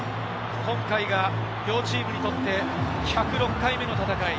今回が両チームにとって１０６回目の戦い。